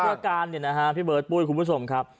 อาการเนี่ยนะฮะพี่เบิร์ดปุ้ยคุณผู้ชมครับ